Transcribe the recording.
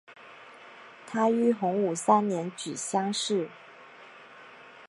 他于洪武三年举乡试。